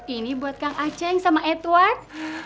ini buat kang aceh sama edward